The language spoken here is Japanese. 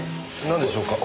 なんでしょうか。